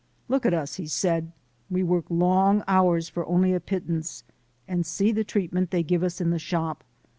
"Look at us," he said, "we work long hours for only a pittance, and see the treatment they give us in the shop.